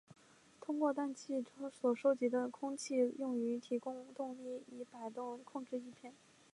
通过弹鼻进气口所收集的空气用于提供动力以摆动控制翼片。